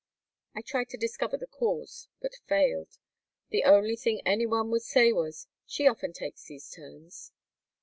I tried to discover the cause but failed. The only thing anyone would say was, "She often takes these turns."